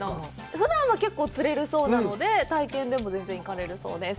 ふだんは結構釣れるそうなので、全然行かれるそうです。